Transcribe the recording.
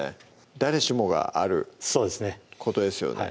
誰しもがあることですよね